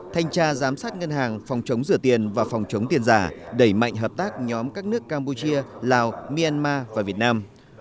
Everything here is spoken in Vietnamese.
thanh tra giám sát ngân hàng phòng chống rửa tiền và phòng chống tiền giả đẩy mạnh hợp tác nhóm các nước campuchia lào myanmar và việt nam